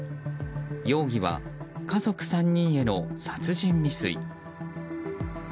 容疑は家族３人への殺人未遂。